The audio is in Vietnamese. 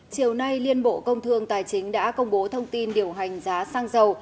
chiều nay liên bộ công thương tài chính đã công bố thông tin điều hành giá xăng dầu